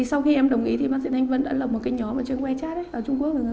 sau khi em đồng ý thì bác sĩ thanh vân đã lập một cái nhóm ở trung quốc